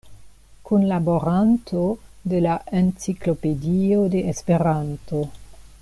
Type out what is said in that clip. Kunlaboranto de la "Enciklopedio de Esperanto".